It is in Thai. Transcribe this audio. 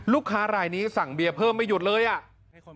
ลูกค้ารายนี้สั่งเบียร์เพิ่มไม่หยุดเลยอ่ะ